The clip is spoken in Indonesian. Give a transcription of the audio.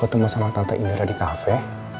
ke temen sama tante indira di kafe